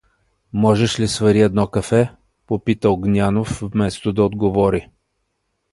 — Можеш ли свари едно кафе? — попита Огнянов, вместо да отговори.